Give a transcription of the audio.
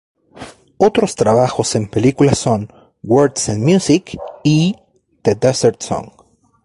Otros trabajos en películas son "Words and Music" y "The Desert Song".